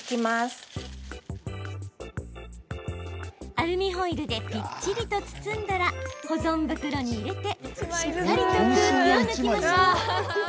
アルミホイルでぴっちりと包んだら保存袋に入れてしっかりと空気を抜きましょう。